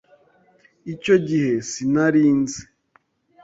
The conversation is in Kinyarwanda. Icyo gihe sinari nzi.